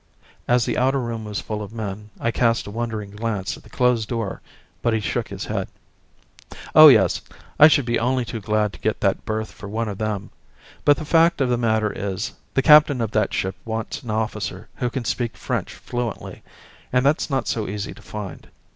.." As the outer room was full of men I cast a wondering glance at the closed door but he shook his head. "Oh, yes, I should be only too glad to get that berth for one of them. But the fact of the matter is, the captain of that ship wants an officer who can speak French fluently, and that's not so easy to find.